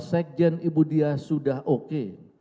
sekjen ibu dia sudah oke